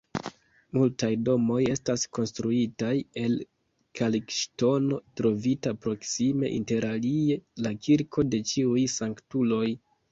Multaj domoj estas konstruitaj el kalkŝtono, trovita proksime, interalie la kirko de ĉiuj sanktuloj.